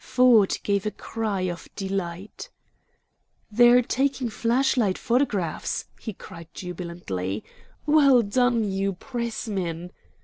Ford gave a cry of delight. "They're taking flash light photographs," he cried jubilantly. "Well done, you Pressmen!"